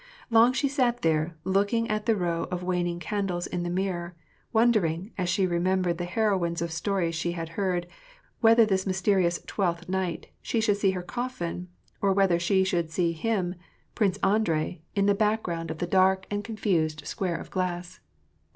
Long she sat there, look ing at the row of waning candles in the mirror, wondering, as she remembered the heroines of stories she had heard, whether this mysterious " Twelfth Night " she should see her coffin; or whether she shoul4 see himy Prince Andrei, in. 302 WAR AND PEACE, the background of the dark and confused square of glass.